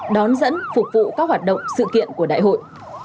đón dẫn phục vụ các hoạt động sự kiện của đại hội